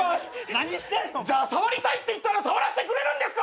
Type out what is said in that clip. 何してんの！じゃあ触りたいって言ったら触らせてくれるんですか！？